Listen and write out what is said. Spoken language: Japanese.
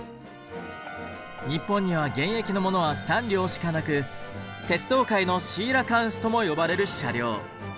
日本には現役のものは３両しかなく「鉄道界のシーラカンス」とも呼ばれる車両。